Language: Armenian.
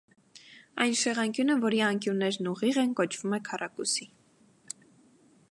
Այն շեղանկյունը, որի անկյուններն ուղիղ են, կոչվում է քառակուսի։